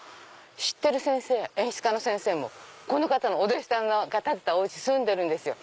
知ってる演出家の先生もこの方のお弟子さんが建てたお家住んでるんですよ。